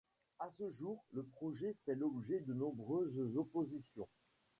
A ce jour, le projet fait l'objet de nombreuses oppositions.